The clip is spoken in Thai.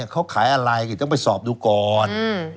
เขาขายอะไรก็ต้องไปสอบดูก่อน